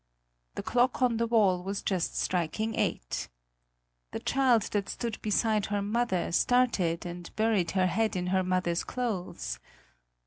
The clock on the wall was just striking eight. The child that stood beside her mother, started and buried her head in her mother's clothes.